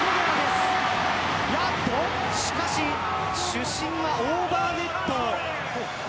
主審はオーバーネット。